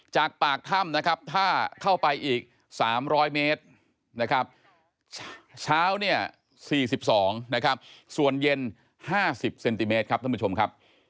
จากปากถ้ำนะครับถ้าเข้าไปอีก๓๐๐เมตรนะครับเช้าเนี่ย๔๒นะครับส่วนเย็น๕๐เซนติเมตรครับท่านผู้ชมครับ